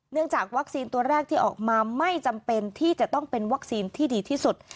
จากวัคซีนตัวแรกที่ออกมาไม่จำเป็นที่จะต้องเป็นวัคซีนที่ดีที่สุด